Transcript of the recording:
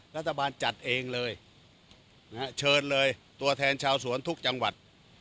รัฐบาลจัดเองเลยนะฮะเชิญเลยตัวแทนชาวสวนทุกจังหวัด